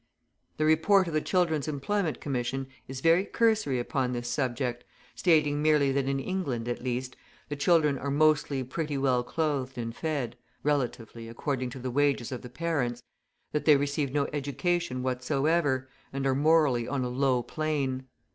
The Report of the Children's Employment Commission is very cursory upon this subject, stating merely that in England, at least, the children are mostly pretty well clothed and fed (relatively, according to the wages of the parents), that they receive no education whatsoever, and are morally on a low plane.